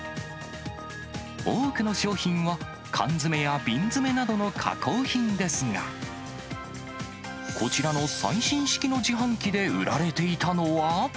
多くの商品は缶詰や瓶詰などの加工品ですが、こちらの最新式の自販機で売られていたのは。